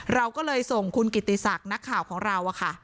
เราก็เลยส่งคุณกิติศักดิ์นักข่าวของเราค่ะ